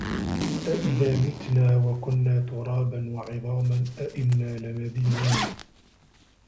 أَإِذا مِتنا وَكُنّا تُرابًا وَعِظامًا أَإِنّا لَمَدينونَ